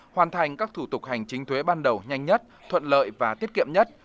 hoàn thành các thủ tục hành chính thuế ban đầu nhanh nhất thuận lợi và tiết kiệm nhất